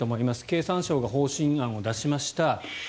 経産省が方針案を出しました。